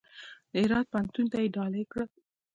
د هرات پوهنتون ته یې ډالۍ کړل.